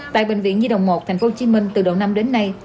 tại bệnh viện di động một tp hcm từ đầu năm đến nay